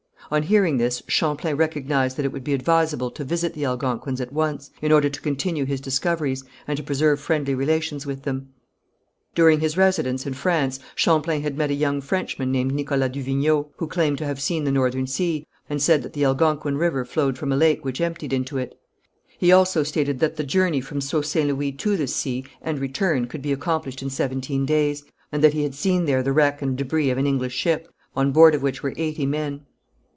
On hearing this, Champlain recognized that it would be advisable to visit the Algonquins at once, in order to continue his discoveries, and to preserve friendly relations with them. During his residence in France, Champlain had met a young Frenchman named Nicholas du Vignau, who claimed to have seen the Northern Sea, and said that the Algonquin River flowed from a lake which emptied into it. He also stated that the journey from Sault St. Louis to this sea and return could be accomplished in seventeen days, and that he had seen there the wreck and débris of an English ship, on board of which were eighty men.